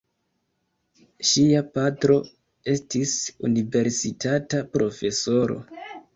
Ŝia patro estis universitata profesoro.